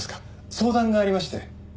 相談がありまして。